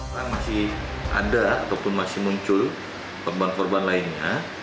sekarang masih ada ataupun masih muncul korban korban lainnya